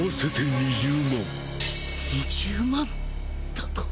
２０万だと？